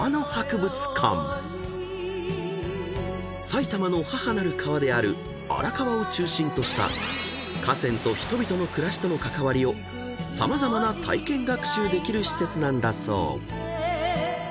［埼玉の母なる川である荒川を中心とした河川と人々の暮らしとの関わりを様々な体験学習できる施設なんだそう］